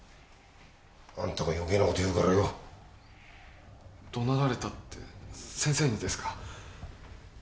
アンタが余計なこと言うから怒鳴られたって先生にですか？